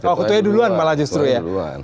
oh ketuanya duluan malah justru ya